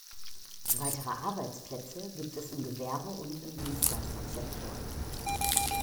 Weitere Arbeitsplätze gibt es im Gewerbe und im Dienstleistungssektor.